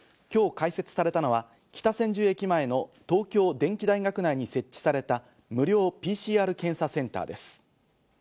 今日開設されたのは北千住駅前の東京電機大学内に設置された無料ＰＣＲ検査センターです。